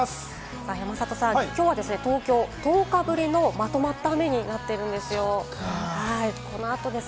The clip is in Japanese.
山里さん、今日はですね、東京は１０日ぶりのまとまった雨になっているんですよ。